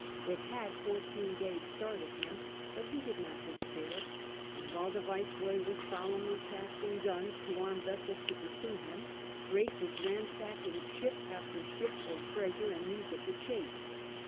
It had fourteen days' start of him, but he did not despair, and while the Viceroy was solemnly casting guns to arm vessels to pursue him, Drake was ransacking ship after ship for treasure and news of the chase.